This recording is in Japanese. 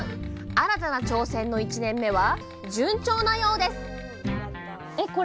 新たな挑戦の１年目は順調なようです